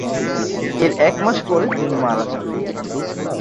এর এক মাস পরে তিনি মারা যান।